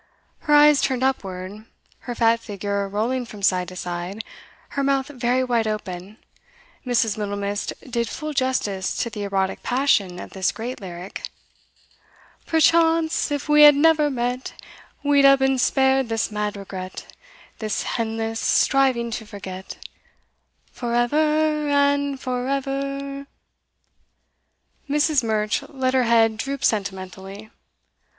Her eyes turned upward, her fat figure rolling from side to side, her mouth very wide open, Mrs. Middlemist did full justice to the erotic passion of this great lyric: '_Perchawnce if we 'ad never met, We 'ad been spared this mad regret, This hendless striving to forget For hever hand for he e e ver!_' Mrs. Murch let her head droop sentimentally.